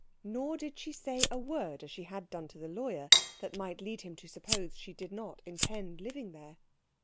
Nor did she say a word, as she had done to the lawyer, that might lead him to suppose she did not intend living there.